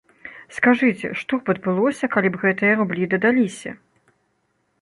Скажыце, што б адбылося, калі б гэтыя рублі дадаліся?